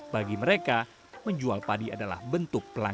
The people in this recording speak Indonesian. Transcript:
bagi mereka menjual padi adalah bentuk pelan